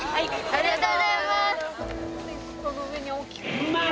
ありがとうございます！